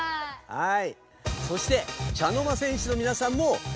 はい！